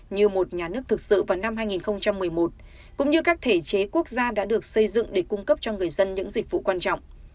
như một nhà nước thực sự vào năm hai nghìn một mươi một cũng như các thể chế quốc gia đã được xây dựng để cung cấp cho người dân những dịch vụ quan trọng